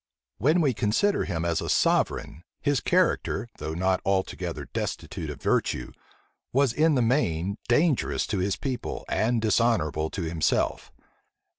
When we consider him as a sovereign, his character, though not altogether destitute of virtue, was in the main dangerous to his people, and dishonorable to himself.